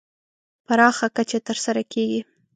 پراخه کچه تر سره کېږي.